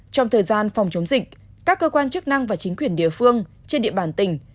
trong thời gian phòng chống dịch các cơ quan chức năng và chính quyền địa phương trên địa bàn tỉnh